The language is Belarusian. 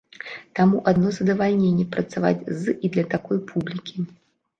Таму адно задавальненне працаваць з і для такой публікі.